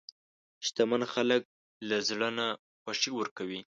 شتمن خلک له زړه نه خوښي ورکوي.